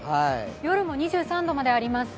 夜も２３度あります。